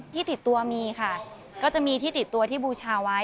ที่ติดตัวมีค่ะก็จะมีที่ติดตัวที่บูชาไว้